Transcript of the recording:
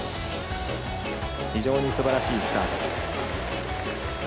非常にすばらしいスタート。